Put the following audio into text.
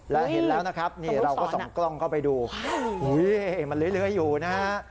แล้วเห็นแล้วนะครับเราก็ส่องกล้องเข้าไปดูมันเหลืออยู่นะ